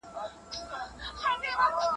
سوسیالیزم په هیوادونو کي وده کوي.